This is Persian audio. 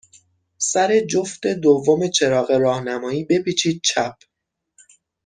سر جفت دوم چراغ راهنمایی، بپیچید چپ.